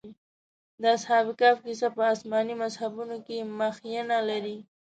د اصحاب کهف کيسه په آسماني مذهبونو کې مخینه لري.